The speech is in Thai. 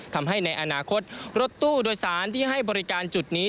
ทำให้ในอนาคตรถตู้โดยสารที่ให้บริการจุดนี้